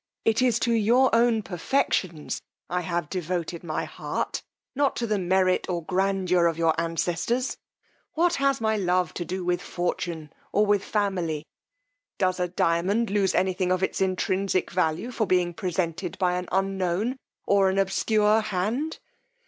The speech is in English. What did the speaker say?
It is to your own perfections I have devoted my heart, not to the merit or grandeur of your ancestors. What has my love to do with fortune, or with family! Does a diamond lose any thing of its intrinsic value for being presented by an unknown, or an obscure hand?